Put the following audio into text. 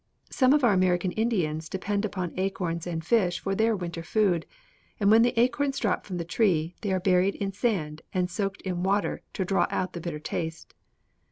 Some of our American Indians depend upon acorns and fish for their winter food; and when the acorns drop from the tree, they are buried in sand and soaked in water to draw out the bitter taste."